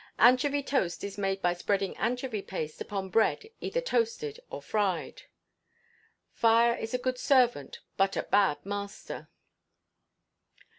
Anchovy toast is made by spreading anchovy paste upon bread either toasted or fried. [FIRE IS A GOOD SERVANT BUT A BAD MASTER.